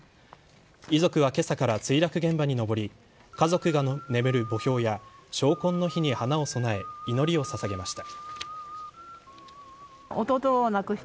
遺族は今朝から墜落現場に登り家族が眠る墓標や昇魂之碑に花を供え祈りを捧げました。